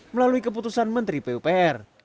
melalui keputusan menteri pupr